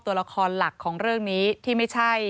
ตัวละครหลักของเรื่องนี้ที่ไม่ใช่